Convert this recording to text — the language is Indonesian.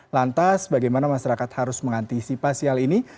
lantas bagaimana masyarakat harus mengantisipasi hal ini